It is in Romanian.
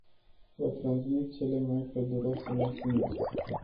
Vă transmit cele mai călduroase mulțumiri.